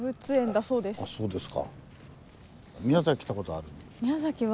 そうですか。